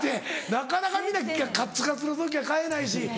なかなか皆カッツカツの時は買えないし。